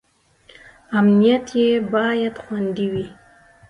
امنیت یې باید خوندي وي.